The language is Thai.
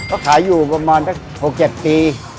ก็ขายอยู่ประมาณสัก๖๗ปี